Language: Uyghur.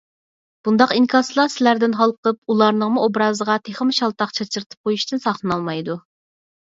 بۇنداق ئىنكاسلار سىلەردىن ھالقىپ ئۇلارنىڭمۇ ئوبرازىغا تېخىمۇ شالتاق چاچرىتىپ قويۇشتىن ساقلىنالمايدۇ.